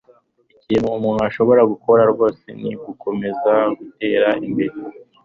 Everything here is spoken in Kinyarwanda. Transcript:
ikintu umuntu ashobora gukora rwose ni ugukomeza gutera imbere